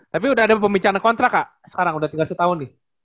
tapi udah ada pembicaraan kontrak kak sekarang udah tiga setahun nih